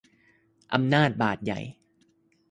อำนาจบาตรใหญ่